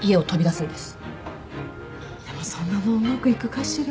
でもそんなのうまくいくかしら